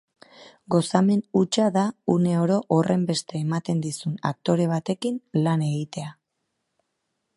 Gozamen hutsa da une oro horrenbeste ematen dizun aktore batekin lan egitea.